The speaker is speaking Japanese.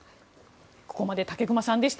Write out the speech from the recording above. ここまで武隈さんでした。